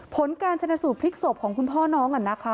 ผลการชนะสูตรพลิกศพของคุณพ่อน้อง